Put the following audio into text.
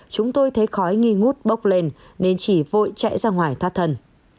chúng tôi thấy khói nghi ngút bốc lên nên chỉ vội chạy ra ngoài thoát thần